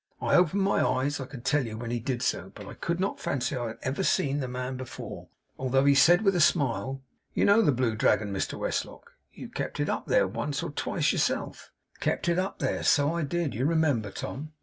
I opened my eyes, I can tell you, when he did so; but I could not fancy I had ever seen the man before, although he said with a smile, "You know the Blue Dragon, Mr Westlock; you kept it up there, once or twice, yourself." Kept it up there! So I did. You remember, Tom?